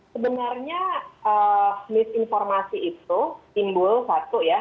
sebenarnya misinformasi itu timbul satu ya